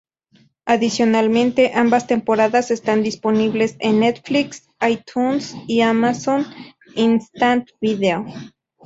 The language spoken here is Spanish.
Adicionalmente, ambas temporadas están disponibles en Netflix, iTunes y Amazon Instant Video.